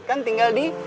kan tinggal di